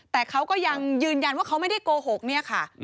แต่เขาก็ยังยืนยันว่าเขาไม่ได้โกหกเนี่ยค่ะ